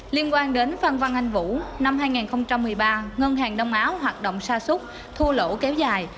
liên quan đến phan văn anh vũ năm hai nghìn một mươi ba ngân hàng đông á hoạt động xa súc thua lỗ kéo dài